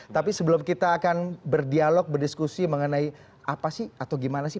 tapi sebelum kita akan berdialog berdiskusi mengenai apa sih atau gimana sih